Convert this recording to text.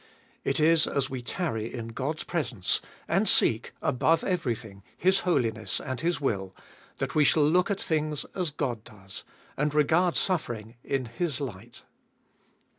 It is as we tarry in God's pre sence, and seek, above everything, His holiness and His will, that we shall look at things as God does, and regard suffering in His light.